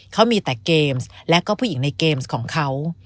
เขามีแต่เกมส์และก็ผู้หญิงในเกมส์ของเขา